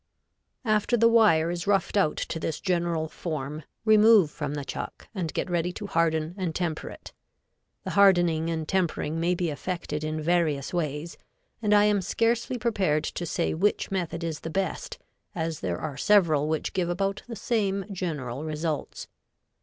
After the wire is roughed out to this general form, remove from the chuck and get ready to harden and temper it. The hardening and tempering may be effected in various ways, and I am scarcely prepared to say which method is the best, as there are several which give about the same general results.